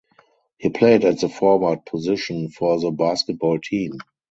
He played at the forward position for the basketball team.